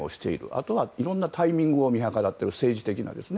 あとは、いろんなタイミングを見計らっている、政治的な。